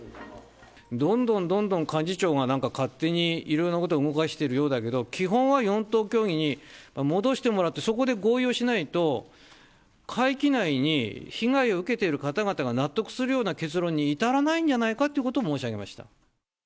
どんどんどんどん幹事長が、なんか勝手にいろいろなことを動かしているようだけど、基本は４党協議に戻してもらって、そこで合意をしないと、会期内に被害を受けている方々が納得するような結論に至らないんじゃないかということを申し上げました。